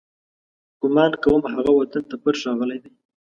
ګمان کوم، هغه وطن ته پټ راغلی دی.